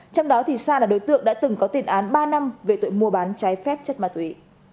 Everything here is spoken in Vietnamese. trong đó thì sa là đối tượng đã từng có tiền án ba năm về tội mua bán trái phép chất ma túy